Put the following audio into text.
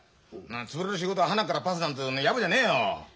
潰れる仕事ははなっからパスなんていうやぼじゃねえよ。